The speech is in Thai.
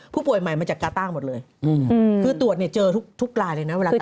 ผู้ป่วยใหม่มาจากกาต้าหมดเลยคือตรวจเนี่ยเจอทุกรายเลยนะเวลาเจอ